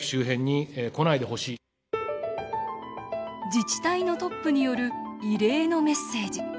自治体のトップによる異例のメッセージ。